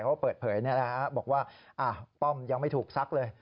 เขาเปิดเผยบอกว่าป้อมยังไม่ถูกซักเลย